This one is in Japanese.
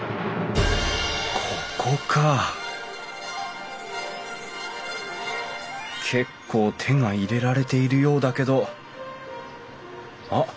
ここか結構手が入れられているようだけどあっ